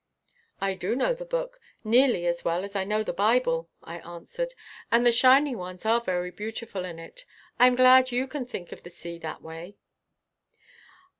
"I do know the book nearly as well as I know the Bible," I answered; "and the shining ones are very beautiful in it. I am glad you can think of the sea that way."